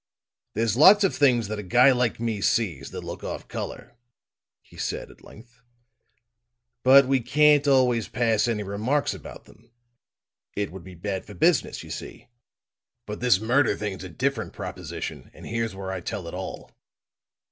"There's lots of things that a guy like me sees that look off color," he said, at length; "but we can't always pass any remarks about them. It would be bad for business, you see. But this murder thing's a different proposition, and here's where I tell it all.